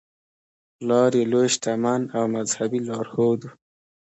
پلار یې لوی شتمن او مذهبي لارښود و.